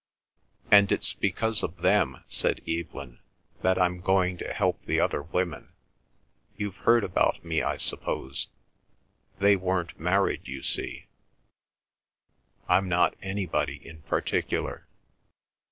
"And it's because of them," said Evelyn, "that I'm going to help the other women. You've heard about me, I suppose? They weren't married, you see; I'm not anybody in particular.